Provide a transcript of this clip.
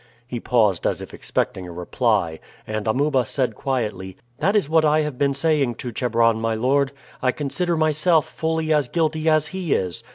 He paused as if expecting a reply, and Amuba said quietly: "That is what I have been saying to Chebron, my lord. I consider myself fully as guilty as he is.